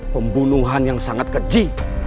pembunuhan yang sangat keji